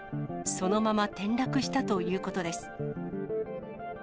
そのまま転落したということです。